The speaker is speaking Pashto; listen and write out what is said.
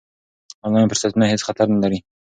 آنلاین فرصتونه هېڅ خطر نه لري.